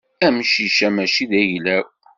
Amcic-a mačči d agla-w.